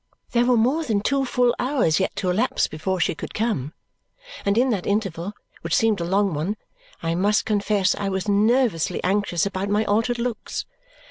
There were more than two full hours yet to elapse before she could come, and in that interval, which seemed a long one, I must confess I was nervously anxious about my altered looks.